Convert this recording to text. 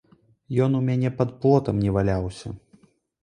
Ён у мяне пад плотам не валяўся.